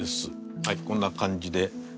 はいこんな感じで。